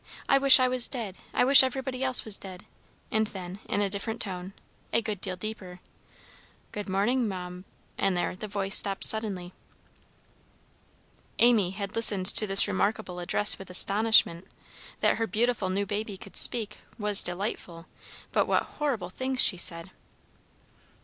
I wish I was dead! I wish everybody else was dead!" And then, in a different tone, a good deal deeper, "Good morning, ma m " and there the voice stopped suddenly. Amy had listened to this remarkable address with astonishment. That her beautiful new baby could speak, was delightful, but what horrible things she said!